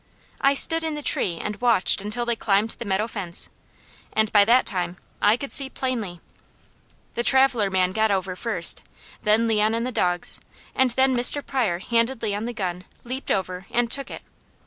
I stood in the tree and watched until they climbed the meadow fence, and by that time I could see plainly. The traveller man got over first, then Leon and the dogs, and then Mr. Pryor handed Leon the gun, leaped over, and took it.